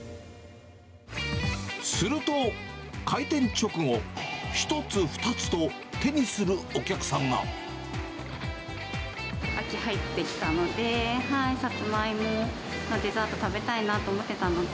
すると、開店直後、１つ、２つと秋入ってきたので、サツマイモのデザート、食べたいなと思ってたので。